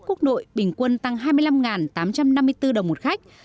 quốc nội bình quân tăng hai mươi năm tám trăm năm mươi bốn đồng một khách